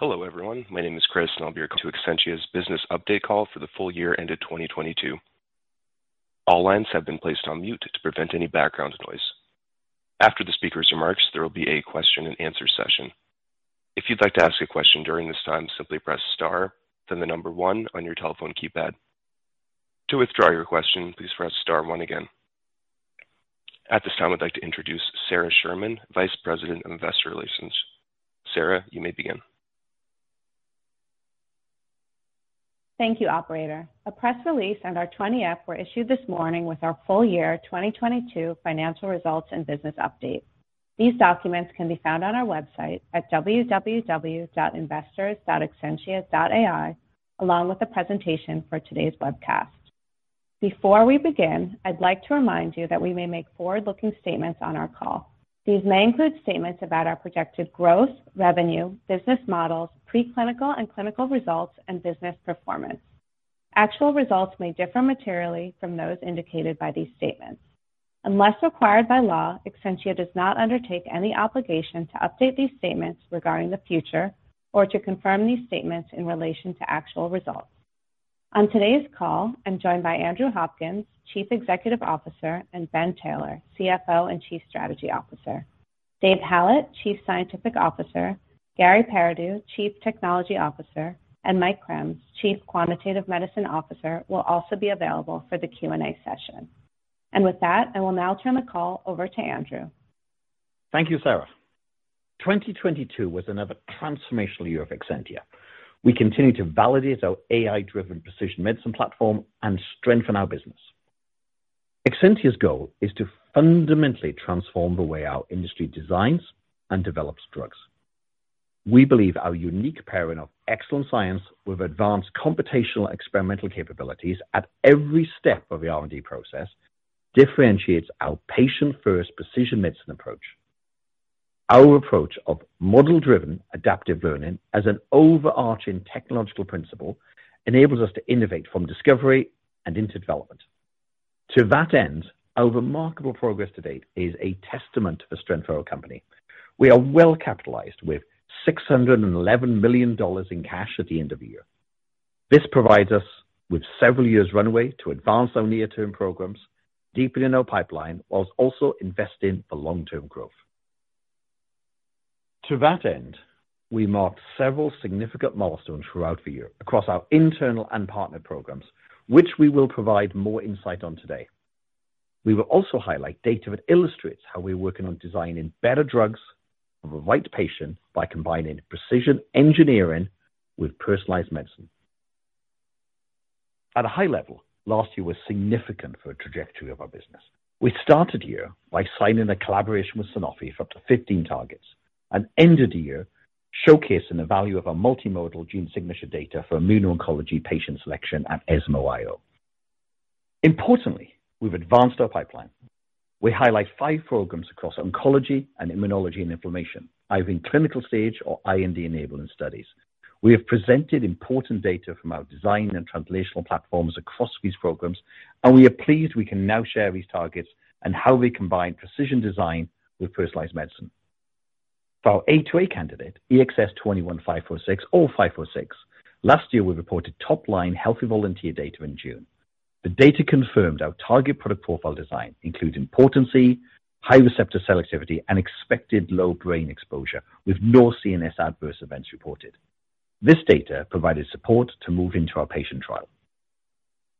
Hello everyone, my name is Chris and I'll be to Exscientia's business update call for the full year ended 2022. All lines have been placed on mute to prevent any background noise. After the speaker's remarks, there will be a question and answer session. If you'd like to ask a question during this time, simply press star, then the number one on your telephone keypad. To withdraw your question, please press star one again. At this time, I'd like to introduce Sara Sherman, Vice President of Investor Relations. Sara, you may begin. Thank you, operator. A press release and our 20-F were issued this morning with our full year 2022 financial results and business update. These documents can be found on our website at www.investors.exscientia.ai, along with the presentation for today's webcast. Before we begin, I'd like to remind you that we may make forward-looking statements on our call. These may include statements about our projected growth, revenue, business models, preclinical and clinical results, and business performance. Actual results may differ materially from those indicated by these statements. Unless required by law, Exscientia does not undertake any obligation to update these statements regarding the future or to confirm these statements in relation to actual results. On today's call, I'm joined by Andrew Hopkins, Chief Executive Officer, and Ben Taylor, CFO and Chief Strategy Officer. Dave Hallett, Chief Scientific Officer, Garry Pairaudeau, Chief Technology Officer, and Mike Krams, Chief Quantitative Medicine Officer, will also be available for the Q&A session. With that, I will now turn the call over to Andrew. Thank you, Sara. 2022 was another transformational year of Exscientia. We continued to validate our AI-driven precision medicine platform and strengthen our business. Exscientia's goal is to fundamentally transform the way our industry designs and develops drugs. We believe our unique pairing of excellent science with advanced computational experimental capabilities at every step of the R&D process differentiates our patient first precision medicine approach. Our approach of model-driven adaptive learning as an overarching technological principle enables us to innovate from discovery and into development. To that end, our remarkable progress to date is a testament to the strength of our company. We are well capitalized with $611 million in cash at the end of the year. This provides us with several years runway to advance our near-term programs, deepen in our pipeline, whilst also investing for long-term growth. To that end, we marked several significant milestones throughout the year across our internal and partner programs, which we will provide more insight on today. We will also highlight data that illustrates how we're working on designing better drugs for the right patient by combining precision engineering with personalized medicine. At a high level, last year was significant for the trajectory of our business. We started the year by signing a collaboration with Sanofi for up to 15 targets and ended the year showcasing the value of our multimodal gene signature data for immuno-oncology patient selection at ESMO I-O. Importantly, we've advanced our pipeline. We highlight 5 programs across oncology and immunology and inflammation, either in clinical stage or IND-enabling studies. We have presented important data from our design and translational platforms across these programs, and we are pleased we can now share these targets and how they combine precision design with personalized medicine. For our A2A candidate, EXS21546 or 546, last year we reported top-line healthy volunteer data in June. The data confirmed our target product profile design, including potency, high receptor selectivity, and expected low brain exposure, with no CNS adverse events reported. This data provided support to move into our patient trial.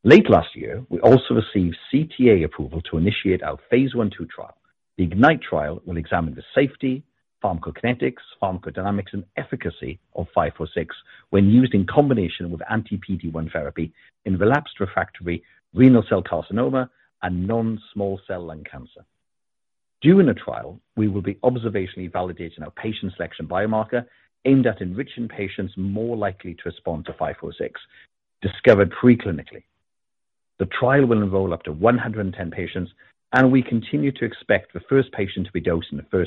Late last year, we also received CTA approval to initiate our Phase 1/2 trial. The IGNITE-AI trial will examine the safety, pharmacokinetics, pharmacodynamics, and efficacy of 546 when used in combination with anti-PD-1 therapy in relapsed refractory renal cell carcinoma and non-small cell lung cancer. During the trial, we will be observationally validating our patient selection biomarker aimed at enriching patients more likely to respond to 546, discovered pre-clinically. The trial will enroll up to 110 patients, and we continue to expect the first patient to be dosed in the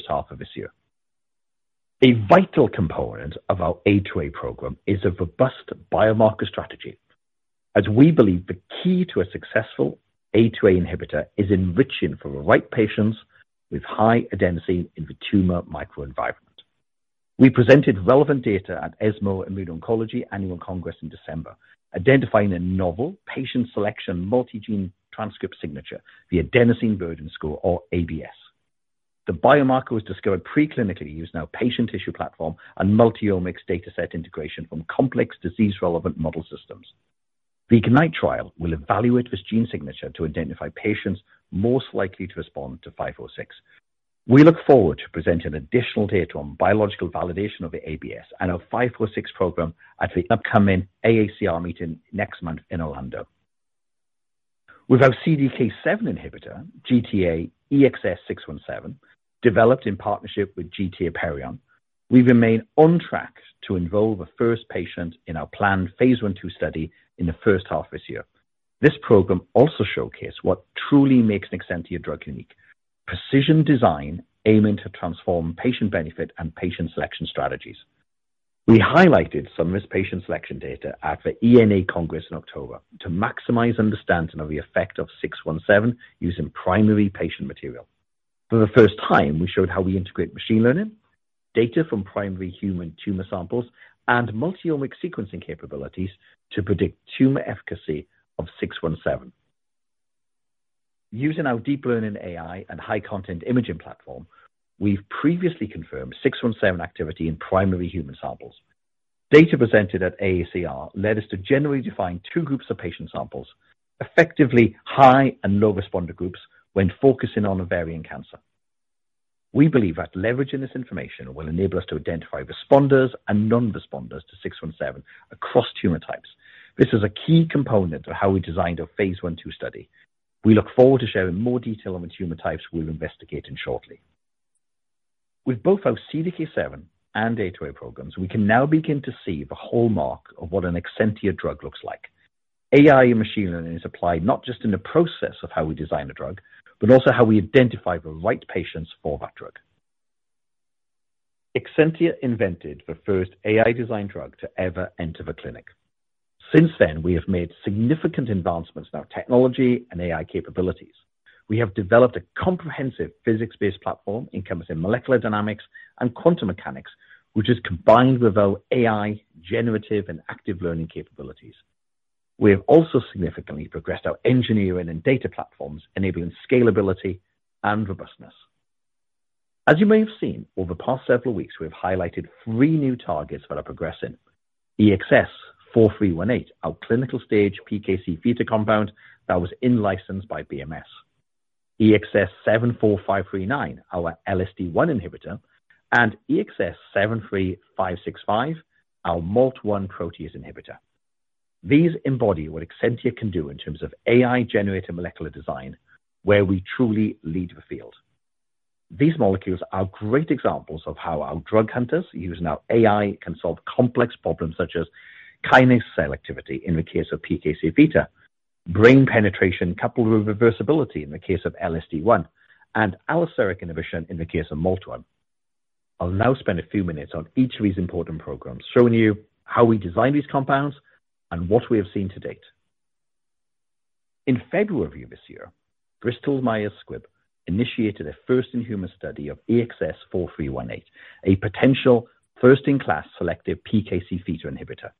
first half of this year. A vital component of our A2A program is a robust biomarker strategy, as we believe the key to a successful A2A inhibitor is enriching for the right patients with high adenosine in the tumor microenvironment. We presented relevant data at ESMO Immuno-Oncology Annual Congress in December, identifying a novel patient selection multi-gene transcript signature, the Adenosine Burden Score or ABS. The biomarker was discovered pre-clinically using our patient tissue platform and multi-omics data set integration from complex disease-relevant model systems. The IGNITE trial will evaluate this gene signature to identify patients most likely to respond to 546. We look forward to presenting additional data on biological validation of the ABS and our 546 program at the upcoming AACR meeting next month in Orlando. With our CDK7 inhibitor, GTAEXS617, developed in partnership with GT Apeiron, we remain on track to enroll the first patient in our planned Phase 1/2 study in the first half of this year. This program also showcased what truly makes an Exscientia drug unique. Precision design aiming to transform patient benefit and patient selection strategies. We highlighted some risk patient selection data at the ENA Congress in October to maximize understanding of the effect of 617 using primary patient material. For the first time, we showed how we integrate machine learning, data from primary human tumor samples, and multi-omic sequencing capabilities to predict tumor efficacy of 617. Using our deep learning AI and high content imaging platform, we've previously confirmed 617 activity in primary human samples. Data presented at AACR led us to generally define two groups of patient samples, effectively high and low responder groups when focusing on ovarian cancer. We believe that leveraging this information will enable us to identify responders and non-responders to 617 across tumor types. This is a key component of how we designed our Phase 1/2 study. We look forward to sharing more detail on which tumor types we're investigating shortly. With both our CDK7 and A2A programs, we can now begin to see the hallmark of what an Exscientia drug looks like. AI and machine learning is applied not just in the process of how we design a drug, but also how we identify the right patients for that drug. Exscientia invented the first AI-designed drug to ever enter the clinic. Since then, we have made significant advancements in our technology and AI capabilities. We have developed a comprehensive physics-based platform encompassing molecular dynamics and quantum mechanics, which is combined with our AI generative and active learning capabilities. We have also significantly progressed our engineering and data platforms, enabling scalability and robustness. As you may have seen, over the past several weeks, we have highlighted three new targets that are progressing. EXS4318, our clinical stage PKC theta compound that was in-licensed by BMS. EXS74539, our LSD1 inhibitor, and EXS73565, our MALT1 protease inhibitor. These embody what Exscientia can do in terms of AI-generated molecular design, where we truly lead the field. These molecules are great examples of how our drug hunters using our AI can solve complex problems such as kinase selectivity in the case of PKC theta, brain penetration coupled with reversibility in the case of LSD1, and allosteric inhibition in the case of MALT1. I'll now spend a few minutes on each of these important programs, showing you how we design these compounds and what we have seen to date. In February of this year, Bristol Myers Squibb initiated a first-in-human study of EXS4318, a potential first-in-class selective PKC theta inhibitor.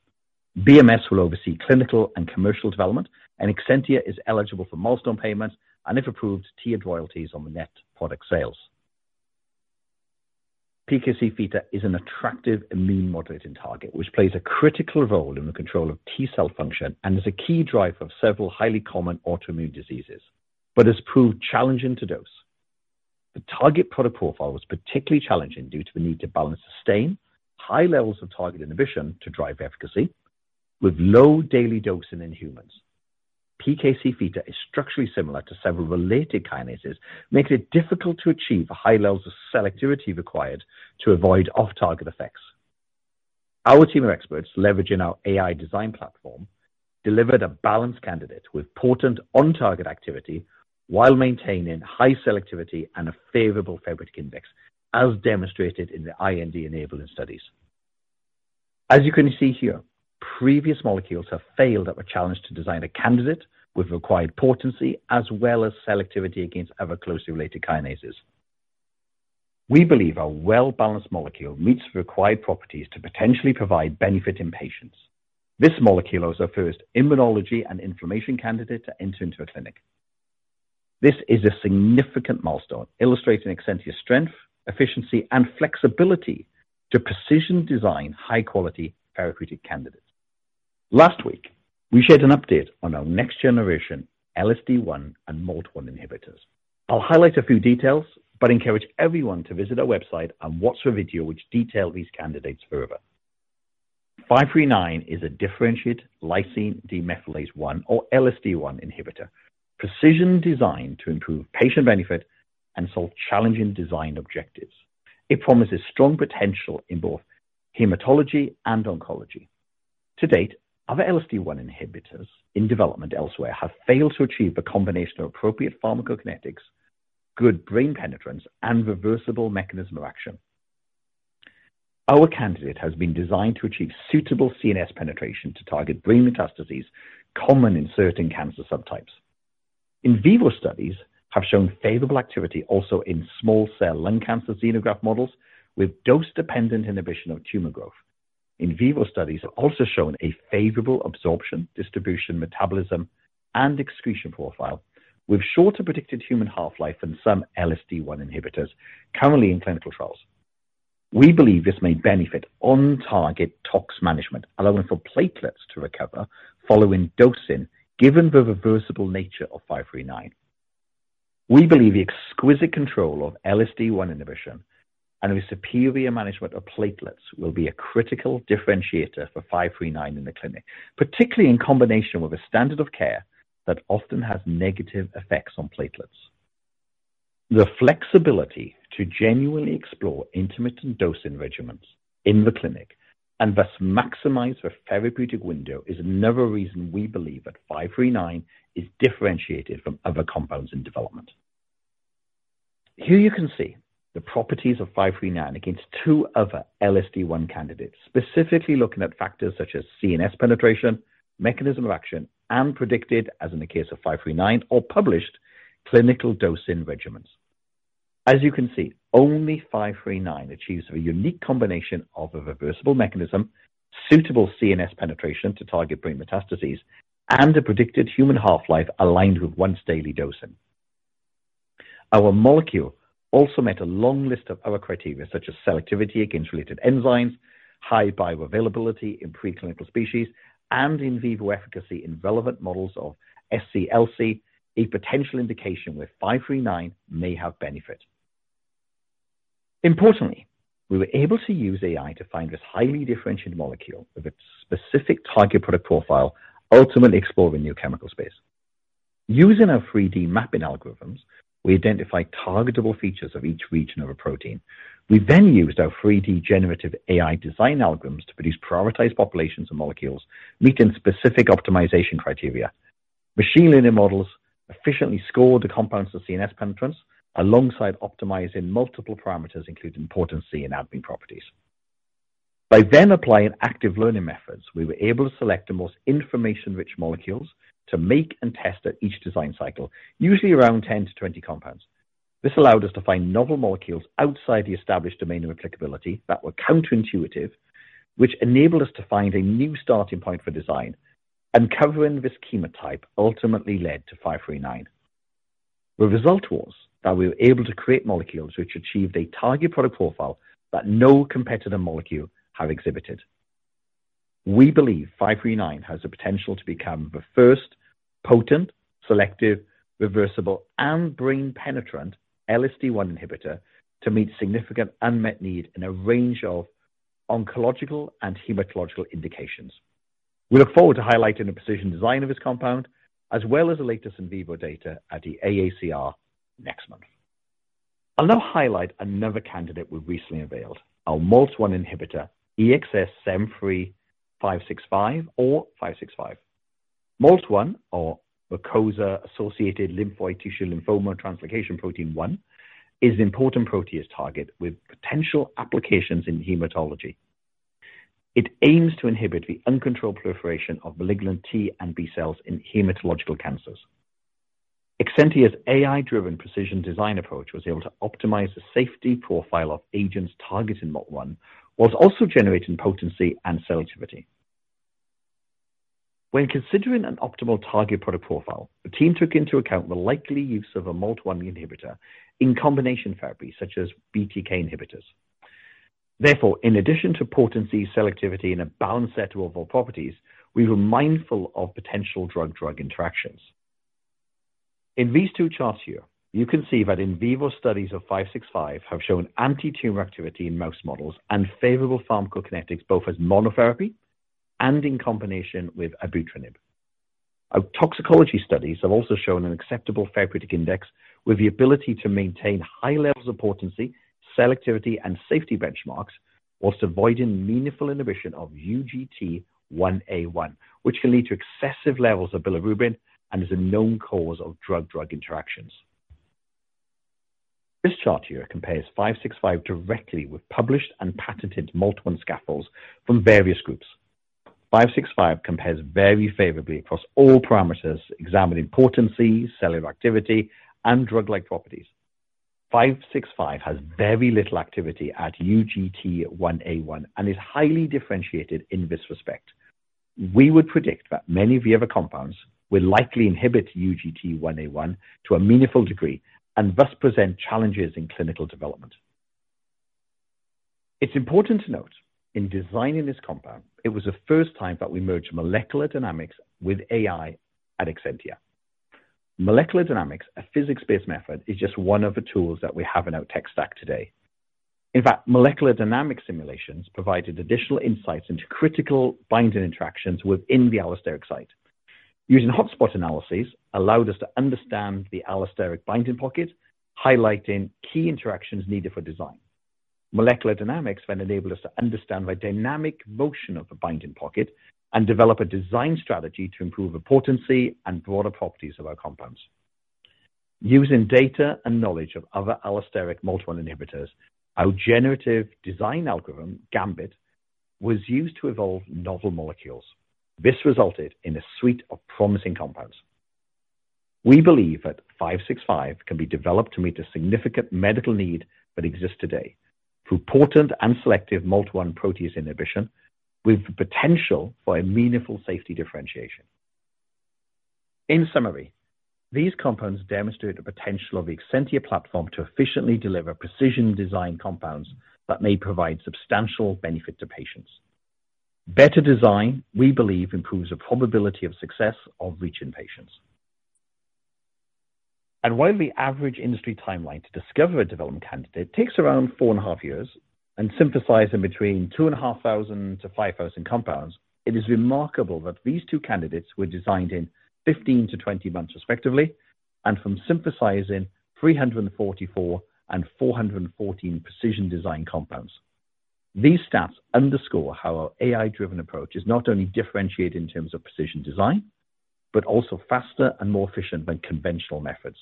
BMS will oversee clinical and commercial development. Exscientia is eligible for milestone payments and, if approved, tiered royalties on the net product sales. PKC theta is an attractive immune-modulating target which plays a critical role in the control of T cell function and is a key driver of several highly common autoimmune diseases but has proved challenging to dose. The target product profile was particularly challenging due to the need to balance sustained high levels of target inhibition to drive efficacy with low daily dosing in humans. PKC theta is structurally similar to several related kinases, making it difficult to achieve the high levels of selectivity required to avoid off-target effects. Our team of experts, leveraging our AI design platform, delivered a balanced candidate with potent on-target activity while maintaining high selectivity and a favorable ADMET index, as demonstrated in the IND-enabling studies. As you can see here, previous molecules have failed at the challenge to design a candidate with required potency as well as selectivity against other closely related kinases. We believe our well-balanced molecule meets the required properties to potentially provide benefit in patients. This molecule is our first immunology and inflammation candidate to enter into a clinic. This is a significant milestone illustrating Exscientia's strength, efficiency, and flexibility to precision-design high-quality therapeutic candidates. Last week, we shared an update on our next generation LSD1 and MALT1 inhibitors. I'll highlight a few details but encourage everyone to visit our website and watch the video which detail these candidates further. 539 is a differentiated lysine demethylase one, or LSD1 inhibitor, precision-designed to improve patient benefit and solve challenging design objectives. It promises strong potential in both hematology and oncology. To date, other LSD1 inhibitors in development elsewhere have failed to achieve a combination of appropriate pharmacokinetics, good brain penetrance, and reversible mechanism of action. Our candidate has been designed to achieve suitable CNS penetration to target brain metastases common in certain cancer subtypes. In vivo studies have shown favorable activity also in small cell lung cancer xenograft models with dose-dependent inhibition of tumor growth. In vivo studies have also shown a favorable absorption, distribution, metabolism, and excretion profile with shorter predicted human half-life than some LSD1 inhibitors currently in clinical trials. We believe this may benefit on-target tox management, allowing for platelets to recover following dosing, given the reversible nature of 539. We believe the exquisite control of LSD1 inhibition and the superior management of platelets will be a critical differentiator for 539 in the clinic, particularly in combination with a standard of care that often has negative effects on platelets. The flexibility to genuinely explore intermittent dosing regimens in the clinic and thus maximize the therapeutic window is another reason we believe that 539 is differentiated from other compounds in development. Here you can see. The properties of 539 against two other LSD1 candidates, specifically looking at factors such as CNS penetration, mechanism of action, and predicted, as in the case of 539 or published clinical dosing regimens. As you can see, only 539 achieves a unique combination of a reversible mechanism, suitable CNS penetration to target brain metastases, and a predicted human half-life aligned with once daily dosing. Our molecule also met a long list of other criteria, such as selectivity against related enzymes, high bioavailability in preclinical species, and in vivo efficacy in relevant models of SCLC, a potential indication where 539 may have benefit. Importantly, we were able to use AI to find this highly differentiated molecule with a specific target product profile, ultimately exploring new chemical space. Using our 3D mapping algorithms, we identified targetable features of each region of a protein. We used our 3D generative AI design algorithms to produce prioritized populations of molecules meeting specific optimization criteria. Machine learning models efficiently scored the compounds of CNS penetrance alongside optimizing multiple parameters, including potency and ADME properties. By then applying active learning methods, we were able to select the most information-rich molecules to make and test at each design cycle, usually around 10-20 compounds. This allowed us to find novel molecules outside the established domain of applicability that were counter-intuitive, which enabled us to find a new starting point for design, covering this chemotype ultimately led to 539. The result was that we were able to create molecules which achieved a target product profile that no competitor molecule have exhibited. We believe 539 has the potential to become the first potent, selective, reversible, and brain penetrant LSD1 inhibitor to meet significant unmet need in a range of oncological and hematological indications. We look forward to highlighting the precision design of this compound, as well as the latest in vivo data at the AACR next month. I'll now highlight another candidate we've recently availed, our MALT1 inhibitor, EXS73565 or 565. MALT1 or mucosa-associated lymphoid tissue lymphoma translocation protein 1, is an important protease target with potential applications in hematology. It aims to inhibit the uncontrolled proliferation of malignant T and B cells in hematological cancers. Exscientia's AI-driven precision design approach was able to optimize the safety profile of agents targeting MALT1, whilst also generating potency and selectivity. When considering an optimal target product profile, the team took into account the likely use of a MALT1 inhibitor in combination therapy such as BTK inhibitors. In addition to potency, selectivity, and a balanced set of other properties, we were mindful of potential drug-drug interactions. In these two charts here, you can see that in vivo studies of EXS73565 have shown anti-tumor activity in mouse models and favorable pharmacokinetics, both as monotherapy and in combination with ibrutinib. Our toxicology studies have also shown an acceptable therapeutic index with the ability to maintain high levels of potency, selectivity, and safety benchmarks, while avoiding meaningful inhibition of UGT1A1, which can lead to excessive levels of bilirubin and is a known cause of drug-drug interactions. This chart here compares 565 directly with published and patented MALT1 scaffolds from various groups. 565 compares very favorably across all parameters examined in potency, cellular activity, and drug-like properties. 565 has very little activity at UGT1A1 and is highly differentiated in this respect. We would predict that many of the other compounds will likely inhibit UGT1A1 to a meaningful degree and thus present challenges in clinical development. It's important to note, in designing this compound, it was the first time that we merged molecular dynamics with AI at Exscientia. Molecular dynamics, a physics-based method, is just one of the tools that we have in our tech stack today. In fact, molecular dynamics simulations provided additional insights into critical binding interactions within the allosteric site. Using hotspot analyses allowed us to understand the allosteric binding pocket, highlighting key interactions needed for design. Molecular dynamics then enabled us to understand the dynamic motion of the binding pocket and develop a design strategy to improve the potency and broader properties of our compounds. Using data and knowledge of other allosteric MALT1 inhibitors, our generative design algorithm, Gambit, was used to evolve novel molecules. This resulted in a suite of promising compounds. We believe that five six five can be developed to meet a significant medical need that exists today through potent and selective MALT1 protease inhibition, with the potential for a meaningful safety differentiation. In summary, these compounds demonstrate the potential of the Exscientia platform to efficiently deliver precision design compounds that may provide substantial benefit to patients. Better design, we believe, improves the probability of success of reaching patients. While the average industry timeline to discover a development candidate takes around four and a half years and synthesize in between 2,500-5,000 compounds, it is remarkable that these two candidates were designed in 15 to 20 months respectively and from synthesizing 344 and 414 precision design compounds. These stats underscore how our AI-driven approach is not only differentiated in terms of precision design, but also faster and more efficient than conventional methods.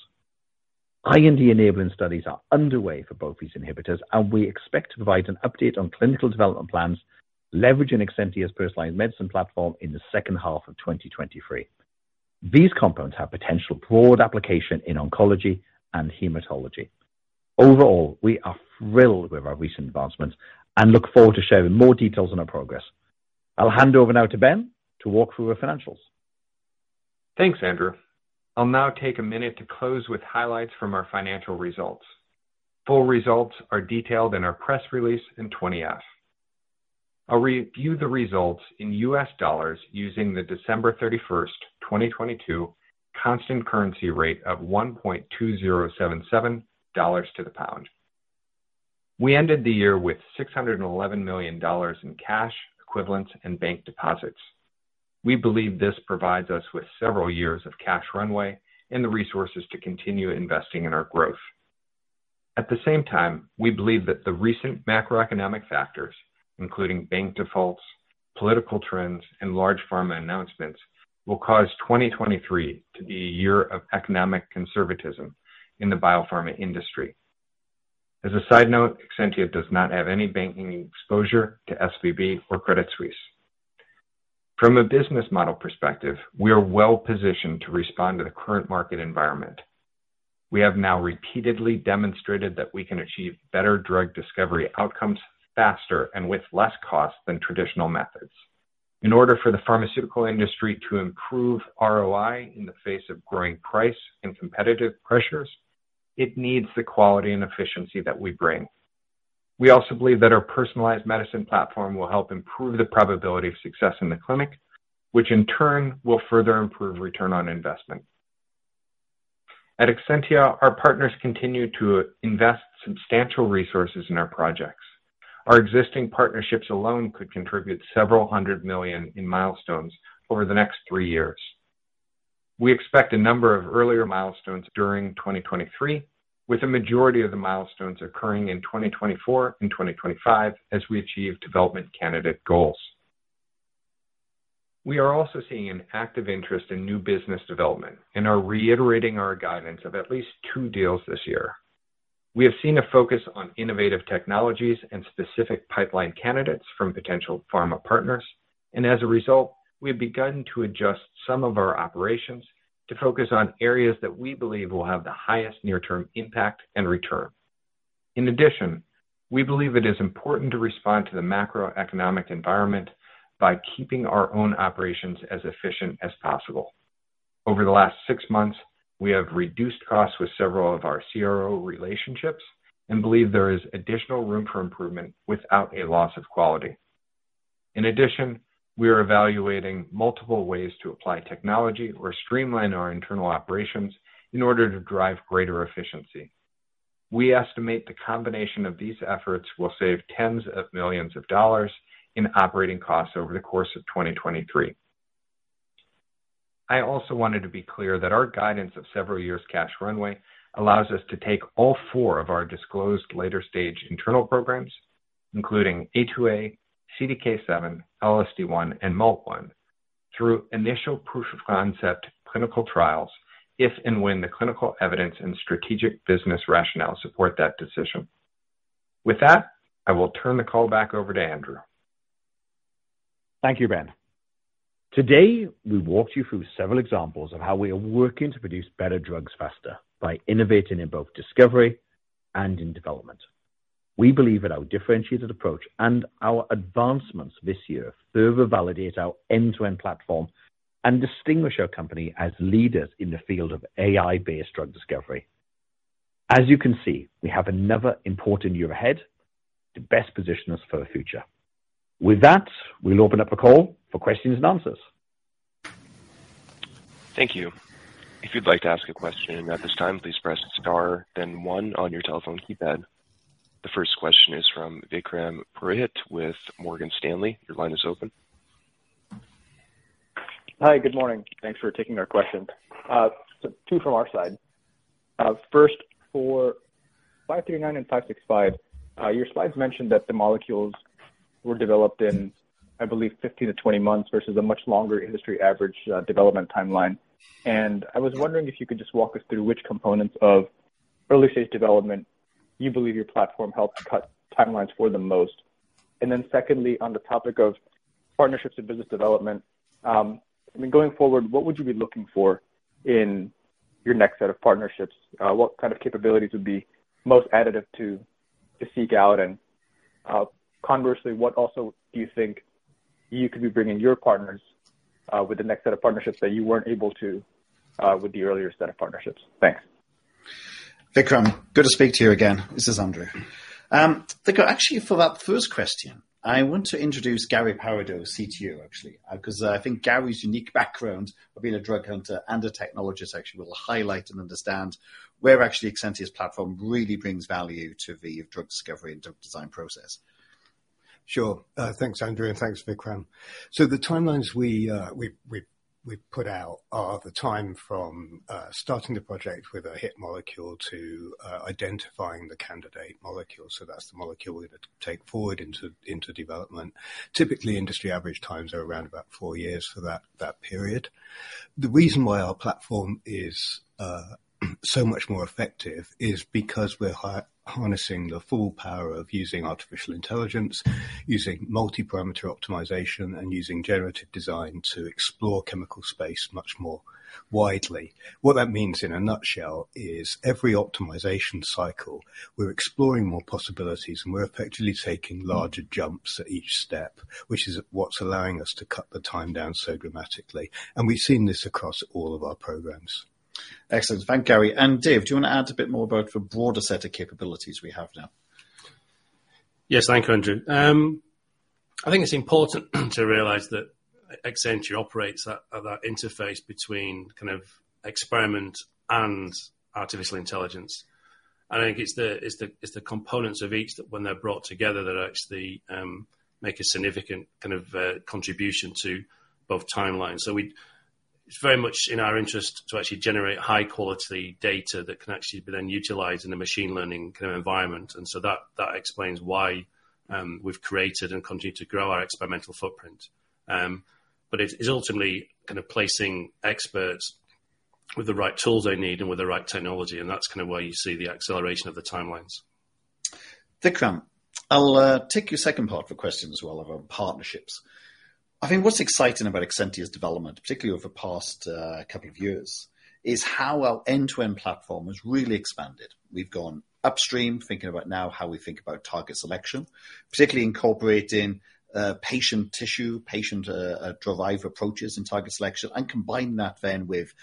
IND enabling studies are underway for both these inhibitors. We expect to provide an update on clinical development plans leveraging Exscientia's personalized medicine platform in the second half of 2023. These compounds have potential broad application in oncology and hematology. Overall, we are thrilled with our recent advancements and look forward to sharing more details on our progress. I'll hand over now to Ben to walk through our financials. Thanks, Andrew. I'll now take a minute to close with highlights from our financial results. Full results are detailed in our press release in 20-F. I'll review the results in U.S. dollars using the December 31st, 2022 constant currency rate of $1.2077 to the GBP. We ended the year with $611 million in cash equivalents and bank deposits. We believe this provides us with several years of cash runway and the resources to continue investing in our growth. At the same time, we believe that the recent macroeconomic factors, including bank defaults, political trends, and large pharma announcements, will cause 2023 to be a year of economic conservatism in the biopharma industry. As a side note, Exscientia does not have any banking exposure to SVB or Credit Suisse. From a business model perspective, we are well positioned to respond to the current market environment. We have now repeatedly demonstrated that we can achieve better drug discovery outcomes faster and with less cost than traditional methods. In order for the pharmaceutical industry to improve ROI in the face of growing price and competitive pressures, it needs the quality and efficiency that we bring. We also believe that our personalized medicine platform will help improve the probability of success in the clinic, which in turn will further improve return on investment. At Exscientia, our partners continue to invest substantial resources in our projects. Our existing partnerships alone could contribute several $100 million in milestones over the next three years. We expect a number of earlier milestones during 2023, with a majority of the milestones occurring in 2024 and 2025 as we achieve development candidate goals. We are also seeing an active interest in new business development and are reiterating our guidance of at least two deals this year. We have seen a focus on innovative technologies and specific pipeline candidates from potential pharma partners. As a result, we've begun to adjust some of our operations to focus on areas that we believe will have the highest near-term impact and return. In addition, we believe it is important to respond to the macroeconomic environment by keeping our own operations as efficient as possible. Over the last six months, we have reduced costs with several of our CRO relationships and believe there is additional room for improvement without a loss of quality. In addition, we are evaluating multiple ways to apply technology or streamline our internal operations in order to drive greater efficiency. We estimate the combination of these efforts will save tens of millions of dollars in operating costs over the course of 2023. I also wanted to be clear that our guidance of several years cash runway allows us to take all four of our disclosed later stage internal programs, including A2A, CDK7, LSD1, and MALT1, through initial proof of concept clinical trials if and when the clinical evidence and strategic business rationale support that decision. With that, I will turn the call back over to Andrew. Thank you, Ben. Today, we've walked you through several examples of how we are working to produce better drugs faster by innovating in both discovery and in development. We believe that our differentiated approach and our advancements this year further validate our end-to-end platform and distinguish our company as leaders in the field of AI-based drug discovery. As you can see, we have another important year ahead to best position us for the future. With that, we'll open up the call for questions and answers. Thank you. If you'd like to ask a question at this time, please press star then one on your telephone keypad. The first question is from Vikram Purohit with Morgan Stanley. Your line is open. Hi. Good morning. Thanks for taking our question. Two from our side. First for five three nine and five six five, your slides mentioned that the molecules were developed in, I believe, 15-20 months versus a much longer industry average development timeline. I was wondering if you could just walk us through which components of early-stage development you believe your platform helped cut timelines for the most. Secondly, on the topic of partnerships and business development, I mean, going forward, what would you be looking for in your next set of partnerships? What kind of capabilities would be most additive to seek out? Conversely, what also do you think you could be bringing your partners with the next set of partnerships that you weren't able to with the earlier set of partnerships? Thanks. Vikram, good to speak to you again. This is Andrew. Vikram, actually, for that first question, I want to introduce Garry Pairaudeau, CTO, actually, 'cause I think Garry's unique background of being a drug hunter and a technologist actually will highlight and understand where actually Exscientia's platform really brings value to the drug discovery and drug design process. Sure. Thanks, Andrew, and thanks, Vikram. The timelines we've put out are the time from starting the project with a hit molecule to identifying the candidate molecule. That's the molecule we're gonna take forward into development. Typically, industry average times are around about 4 years for that period. The reason why our platform is so much more effective is because we're harnessing the full power of using artificial intelligence, using multi-parameter optimization, and using generative design to explore chemical space much more widely. What that means, in a nutshell, is every optimization cycle, we're exploring more possibilities, and we're effectively taking larger jumps at each step, which is what's allowing us to cut the time down so dramatically. We've seen this across all of our programs. Excellent. Thank you, Gary. Dave, do you want to add a bit more about the broader set of capabilities we have now? Yes. Thank you, Andrew. I think it's important to realize that Exscientia operates at that interface between kind of experiment and artificial intelligence. I think it's the components of each that when they're brought together that actually make a significant kind of contribution to both timelines. It's very much in our interest to actually generate high quality data that can actually be then utilized in a machine learning kind of environment. That, that explains why we've created and continue to grow our experimental footprint. It's, it's ultimately kind of placing experts with the right tools they need and with the right technology, and that's kinda where you see the acceleration of the timelines. Vikram, I'll take your second part for questions as well of our partnerships. I think what's exciting about Exscientia's development, particularly over the past couple of years, is how our end-to-end platform has really expanded. We've gone upstream, thinking about now how we think about target selection, particularly incorporating patient tissue, patient derived approaches in target selection and combine that then with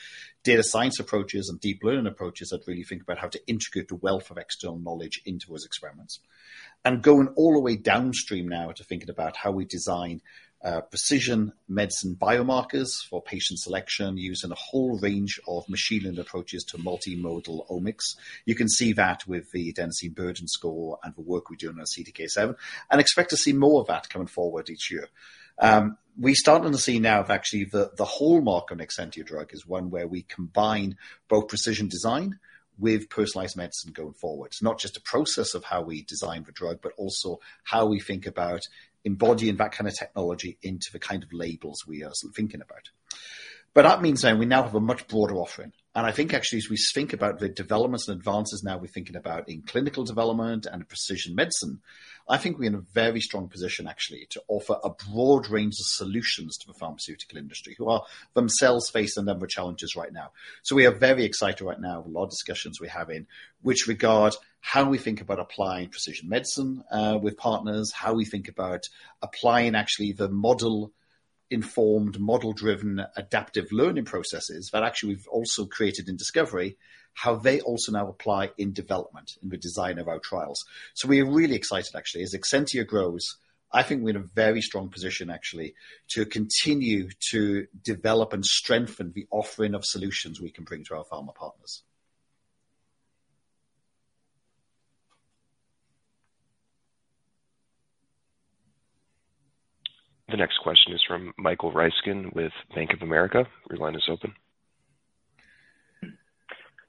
data science approaches and deep learning approaches that really think about how to integrate the wealth of external knowledge into those experiments. Going all the way downstream now to thinking about how we design precision medicine biomarkers for patient selection using a whole range of machine learning approaches to multi-omics. You can see that with the adenosine burden score and the work we're doing on CDK7, and expect to see more of that coming forward each year. We're starting to see now of actually the hallmark of an Exscientia drug is one where we combine both precision design with personalized medicine going forward. It's not just a process of how we design the drug, but also how we think about embodying that kind of technology into the kind of labels we are thinking about. That means then we now have a much broader offering. I think actually as we think about the developments and advances now we're thinking about in clinical development and precision medicine, I think we're in a very strong position actually to offer a broad range of solutions to the pharmaceutical industry, who are themselves facing a number of challenges right now. We are very excited right now with a lot of discussions we're having with regard how we think about applying precision medicine with partners, how we think about applying actually the model-informed, model-driven adaptive learning processes that actually we've also created in discovery, how they also now apply in development in the design of our trials. We are really excited actually. As Exscientia grows, I think we're in a very strong position actually to continue to develop and strengthen the offering of solutions we can bring to our pharma partners. The next question is from Michael Ryskin with Bank of America. Your line is open.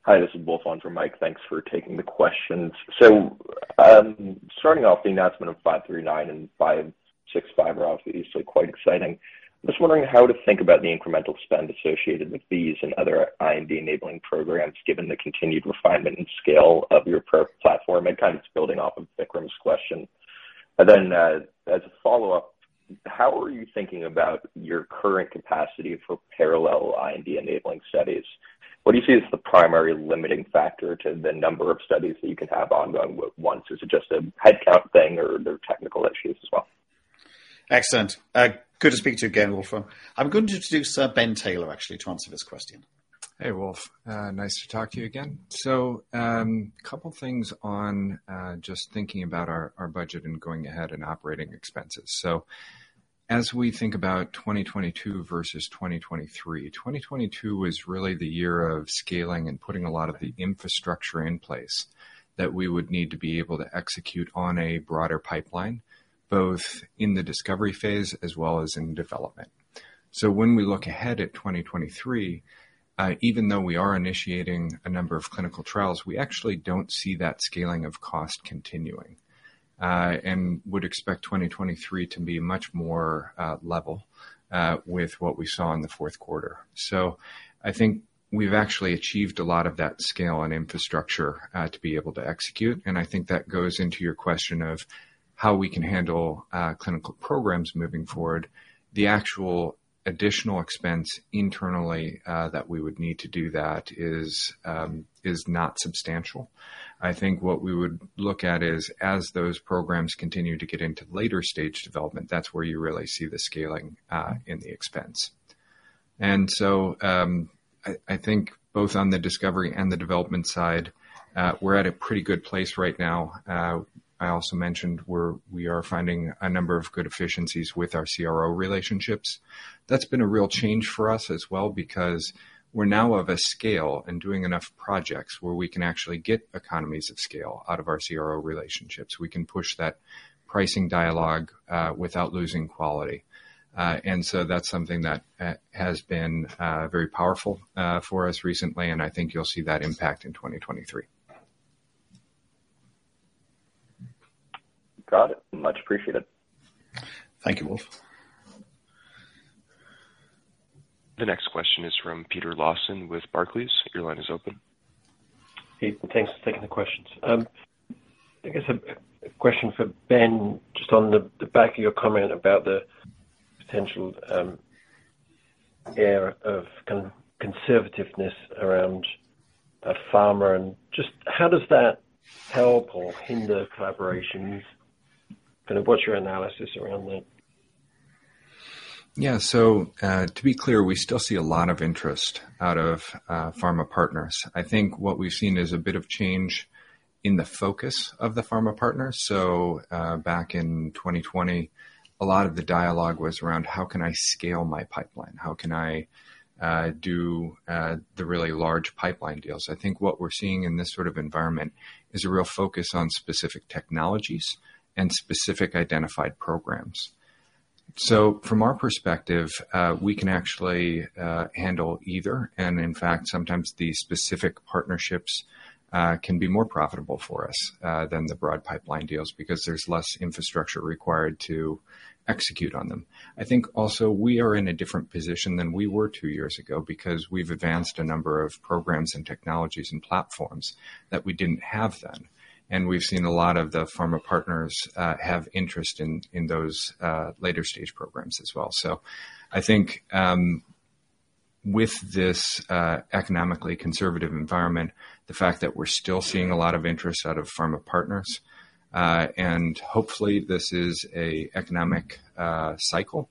Hi, this is Wolf on for Mike. Thanks for taking the questions. Starting off, the announcement of 539 and 565 are obviously quite exciting. I'm just wondering how to think about the incremental spend associated with these and other IND-enabling programs, given the continued refinement and scale of your pro-platform and kind of building off of Vikram's question. As a follow-up, how are you thinking about your current capacity for parallel IND-enabling studies? What do you see as the primary limiting factor to the number of studies that you can have ongoing once? Is it just a headcount thing or there are technical issues as well? Excellent. Good to speak to you again, Wolf. I'm going to introduce, Ben Taylor, actually, to answer this question. Hey, Wolf. Nice to talk to you again. A couple of things on just thinking about our budget and going ahead and operating expenses. As we think about 2022 versus 2023, 2022 is really the year of scaling and putting a lot of the infrastructure in place that we would need to be able to execute on a broader pipeline, both in the discovery p hase as well as in development. When we look ahead at 2023, even though we are initiating a number of clinical trials, we actually don't see that scaling of cost continuing, and would expect 2023 to be much more level with what we saw in the fourth quarter. I think we've actually achieved a lot of that scale and infrastructure to be able to execute, and I think that goes into your question of how we can handle clinical programs moving forward. The actual additional expense internally that we would need to do that is not substantial. I think what we would look at is as those programs continue to get into later stage development, that's where you really see the scaling in the expense. I think both on the discovery and the development side, we're at a pretty good place right now. I also mentioned we are finding a number of good efficiencies with our CRO relationships. That's been a real change for us as well because we're now of a scale and doing enough projects where we can actually get economies of scale out of our CRO relationships. We can push that pricing dialogue without losing quality. That's something that has been very powerful for us recently, and I think you'll see that impact in 2023. Got it. Much appreciated. Thank you, Wolf. The next question is from Peter Lawson with Barclays. Your line is open. Hey, thanks for taking the questions. I guess a question for Ben, just on the back of your comment about the potential era of conservativeness around pharma and just how does that help or hinder collaborations? Kind of what's your analysis around that? Yeah. To be clear, we still see a lot of interest out of pharma partners. I think what we've seen is a bit of change in the focus of the pharma partners. Back in 2020, a lot of the dialogue was around how can I scale my pipeline? How can I do the really large pipeline deals? I think what we're seeing in this sort of environment is a real focus on specific technologies and specific identified programs. From our perspective, we can actually handle either. In fact, sometimes the specific partnerships can be more profitable for us than the broad pipeline deals because there's less infrastructure required to execute on them. I think also we are in a different position than we were two years ago because we've advanced a number of programs and technologies and platforms that we didn't have then. We've seen a lot of the pharma partners have interest in those later stage programs as well. I think with this economically conservative environment, the fact that we're still seeing a lot of interest out of pharma partners, and hopefully this is an economic cycle.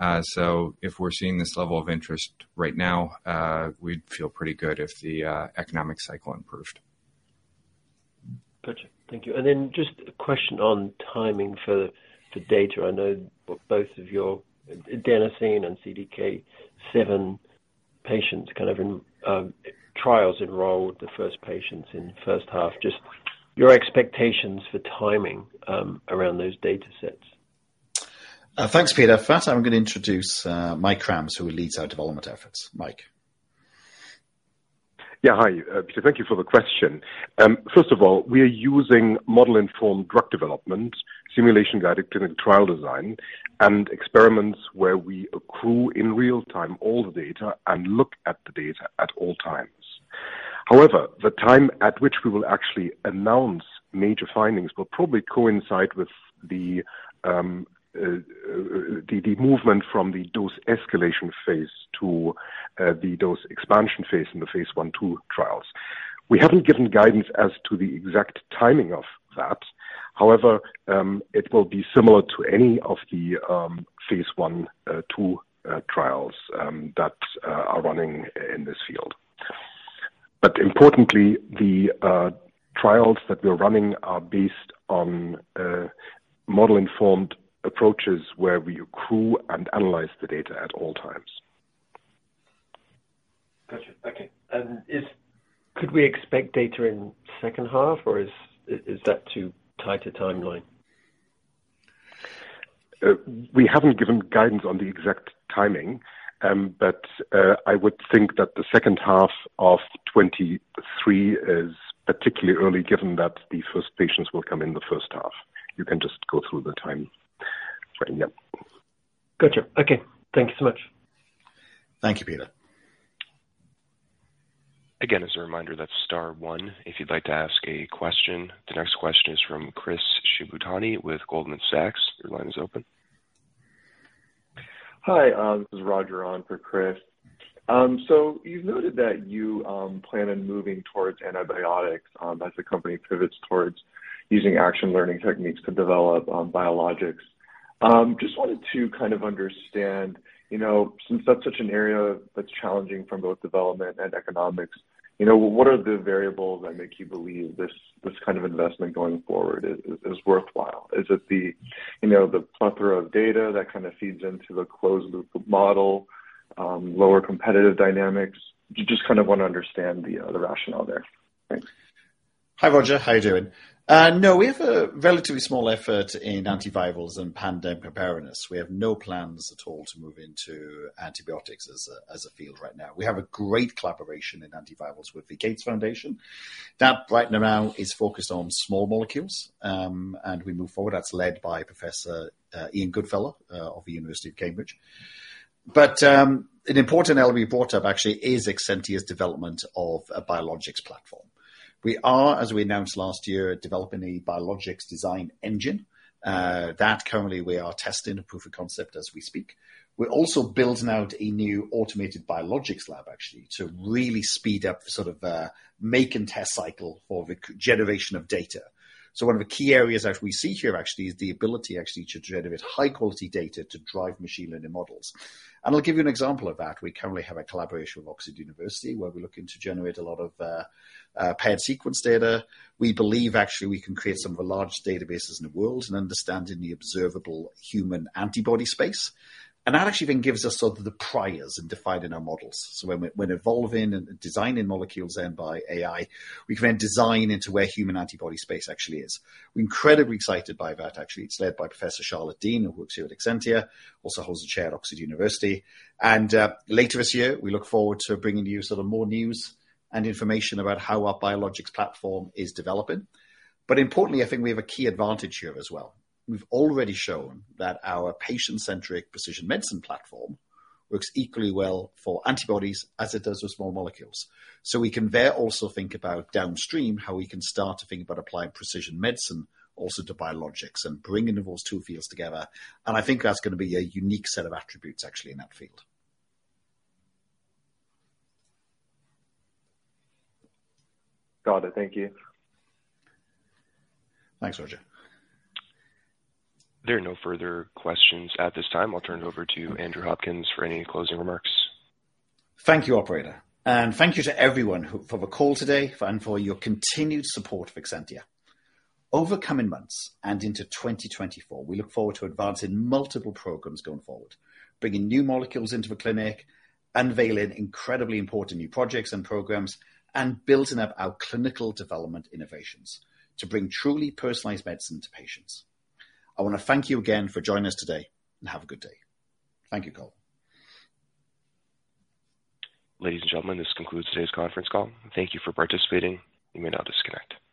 If we're seeing this level of interest right now, we'd feel pretty good if the economic cycle improved. Gotcha. Thank you. Then just a question on timing for the data. I know both of your adenosine and CDK7 patients kind of in, trials enrolled the first patients in the first half. Just your expectations for timing, around those data sets. Thanks, Peter. First I'm gonna introduce, Mike Krams who leads our development efforts. Mike. Hi, Peter, thank you for the question. First of all, we are using model-informed drug development, simulation-guided clinical trial design, and experiments where we accrue in real-time all the data and look at the data at all times. The time at which we will actually announce major findings will probably coincide with the movement from the dose escalation phase to the dose expansion phase in the Phase 1/2 trials. We haven't given guidance as to the exact timing of that. It will be similar to any of the Phase 1/2 trials that are running in this field. Importantly, the trials that we're running are based on model-informed approaches where we accrue and analyze the data at all times. Gotcha. Okay. Could we expect data in second half, or is that too tight a timeline? We haven't given guidance on the exact timing, I would think that the second half of 2023 is particularly early, given that the first patients will come in the first half. You can just go through the time frame. Yep. Gotcha. Okay. Thank you so much. Thank you, Peter. Again, as a reminder, that's star one if you'd like to ask a question. The next question is from Chris Shibutani with Goldman Sachs. Your line is open. Hi, this is Roger on for Chris. You've noted that you plan on moving towards antibiotics as the company pivots towards using action learning techniques to develop biologics. Just wanted to kind of understand, you know, since that's such an area that's challenging from both development and economics, you know, what are the variables that make you believe this kind of investment going forward is worthwhile? Is it the, you know, the plethora of data that kind of feeds into the closed-loop model, lower competitive dynamics? Just kind of wanna understand the rationale there. Thanks. Hi, Roger. How you doing? No, we have a relatively small effort in antivirals and pandemic preparedness. We have no plans at all to move into antibiotics as a field right now. We have a great collaboration in antivirals with the Gates Foundation. That right now is focused on small molecules, and we move forward. That's led by Professor Ian Goodfellow of the University of Cambridge. An important element you brought up actually is Exscientia's development of a biologics platform. We are, as we announced last year, developing a biologics design engine that currently we are testing a proof of concept as we speak. We're also building out a new automated biologics lab actually, to really speed up sort of a make and test cycle for the generation of data. One of the key areas as we see here actually is the ability actually to generate high quality data to drive machine learning models. I'll give you an example of that. We currently have a collaboration with University of Oxford, where we're looking to generate a lot of paired sequence data. We believe actually we can create some of the large databases in the world and understanding the observable human antibody space. That actually then gives us sort of the priors in defining our models. When we're evolving and designing molecules then by AI, we can then design into where human antibody space actually is. We're incredibly excited by that actually. It's led by Professor Charlotte Deane, who works here at Exscientia, also holds a chair at University of Oxford. Later this year, we look forward to bringing you sort of more news and information about how our biologics platform is developing. Importantly, I think we have a key advantage here as well. We've already shown that our patient-centric precision medicine platform works equally well for antibodies as it does with small molecules. We can there also think about downstream, how we can start to think about applying precision medicine also to biologics and bringing those two fields together. I think that's gonna be a unique set of attributes actually in that field. Got it. Thank you. Thanks, Roger. There are no further questions at this time. I'll turn it over to Andrew Hopkins for any closing remarks. Thank you, operator, and thank you to everyone for the call today and for your continued support for Exscientia. Over coming months and into 2024, we look forward to advancing multiple programs going forward, bringing new molecules into the clinic, unveiling incredibly important new projects and programs, and building up our clinical development innovations to bring truly personalized medicine to patients. I wanna thank you again for joining us today, and have a good day. Thank you all. Ladies and gentlemen, this concludes today's conference call. Thank you for participating. You may now disconnect.